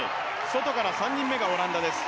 外から３人目がオランダです